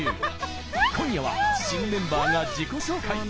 今夜は、新メンバーが自己紹介。